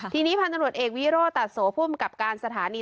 ทีนี้พันธนวจเอกวิโรตัสโสภูมิกับการสถานี